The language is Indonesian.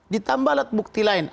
ditambah alat bukti lain